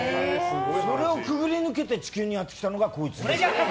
それをくぐり抜けて地球にやってきたのがこいつ。